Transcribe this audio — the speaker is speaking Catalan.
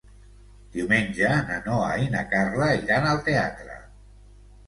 Diumenge na Noa i na Carla iran al teatre.